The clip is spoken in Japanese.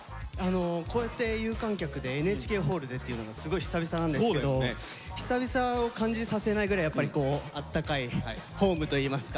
こうやって有観客でＮＨＫホールでっていうのがすごい久々なんですけど久々を感じさせないぐらいやっぱりあったかいホームといいますか。